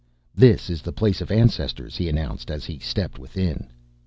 _] "This is the Place of Ancestors," he announced as he stepped within.